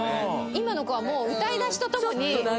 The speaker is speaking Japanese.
今の子はもう歌い出しとともに。